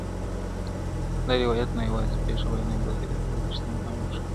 دا روايت نه يوازي پېښه بيانوي بلکي د هغې ريښې هم روښانوي,